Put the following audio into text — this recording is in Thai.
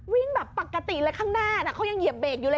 วิ่งแบบปกติเลยข้างหน้าเขายังเหยียบเบรกอยู่เลย